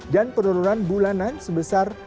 dan penurunan bulanan sebesar